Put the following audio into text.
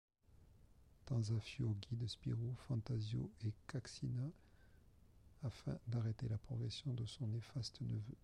Tanzafio guide Spirou, Fantasio et Katxina afin d'arrêter la progression de son néfaste neveu.